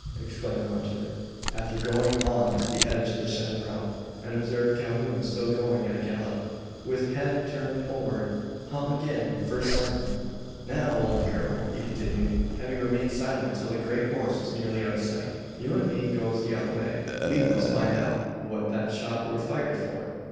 exclaimed the hunter, after going on to the edge of the chapparal, and observed Calhoun still going at a gallop, with head turned homeward. "Hum agin, for sartin! "Now, ole gurl!" he continued, having remained silent till the grey horse was nearly out of sight, "You an me goes t'other way. We must find out what thet shot wur fired for."